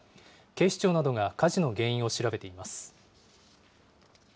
警視庁などが火事の原因を調べています。